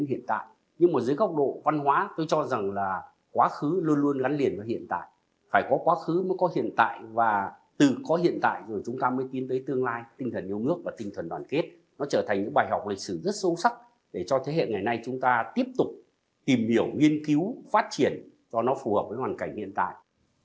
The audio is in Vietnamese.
nếu chúng ta có hiện tại và từ có hiện tại rồi chúng ta mới tin tới tương lai tinh thần yêu nước và tinh thần đoàn kết nó trở thành những bài học lịch sử rất sâu sắc để cho thế hệ ngày nay chúng ta tiếp tục tìm hiểu nghiên cứu phát triển cho nó phù hợp với hoàn cảnh hiện tại